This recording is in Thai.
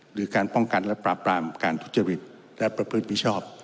หรือการป้องกันและปราบปรามการทุจริตและประพฤติมิชอบ